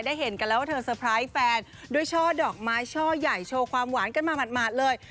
เห็นกันแล้วว่าเธอเตอร์ไพรส์แฟนด้วยช่อดอกไม้ช่อใหญ่โชว์ความหวานกันมาหมาดเลย